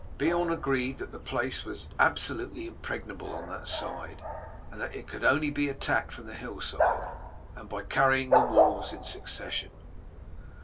Beorn agreed that the place was absolutely impregnable on that side, and that it could only be attacked from the hillside, and by carrying the walls in succession.